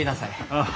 ああ。